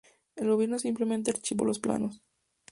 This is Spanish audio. El gobierno simplemente archivó los planos.